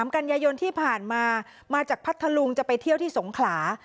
กันยายนที่ผ่านมามาจากพัทธลุงจะไปเที่ยวที่สงขลา